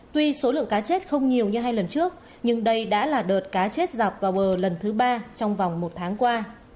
tuy số lượng cá chết không nhiều như hai lần trước nhưng đây đã là đợt cá chết dọc vào bờ lần thứ ba trong vòng một tháng qua